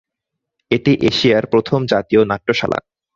এটি এশিয়ার প্রথম জাতীয় নাট্যশালা।